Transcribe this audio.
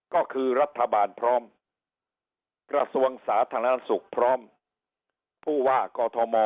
ก็คือรัฐบาลพร้อมกระทรวงสาธารณสุขพร้อมผู้ว่ากอทม